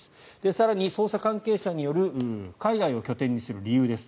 更に捜査関係者による海外を拠点にする理由です。